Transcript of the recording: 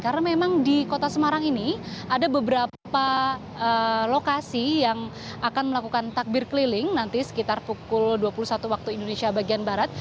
karena memang di kota semarang ini ada beberapa lokasi yang akan melakukan takbir keliling nanti sekitar pukul dua puluh satu waktu indonesia bagian barat